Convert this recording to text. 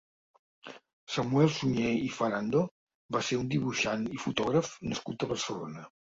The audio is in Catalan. Samuel Suñé i Farando va ser un dibuixant i fotògraf nascut a Barcelona.